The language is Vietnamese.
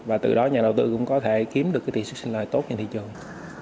và từ đó nhà đầu tư cũng có thể kiếm được cái tiền suất sinh loại tốt cho thị trường